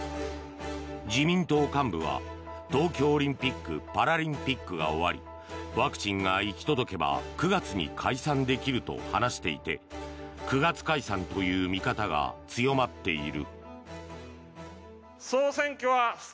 自民党幹部は東京オリンピック・パラリンピックが終わりワクチンが行き届けば９月に解散できると話していて９月解散という見方が強まっている。